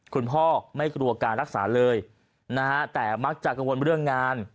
คุณพ่อไม่กลัวการรักษาเลยนะฮะแต่มักจะกังวลเรื่องงาน